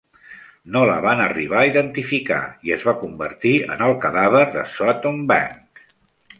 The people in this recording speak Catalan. No la van arribar a identificar i es va convertir en el cadàver de Sutton Bank.